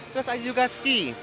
terus ada juga ski